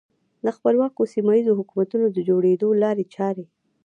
د خپلواکو سیمه ییزو حکومتونو د جوړېدو لارې چارې.